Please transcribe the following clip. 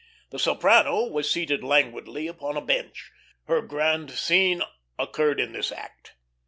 The soprano was seated languidly upon a bench. Her grande scene occurred in this act.